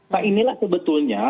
nah inilah sebetulnya